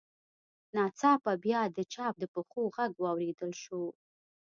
ناڅاپه بیا د چا د پښو غږ واورېدل شو